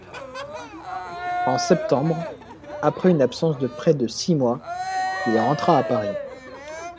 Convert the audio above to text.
En septembre, après une absence de près de six mois, il rentra à Paris.